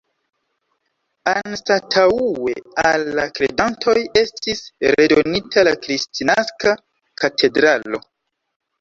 Anstataŭe al la kredantoj estis redonita la Kristnaska katedralo.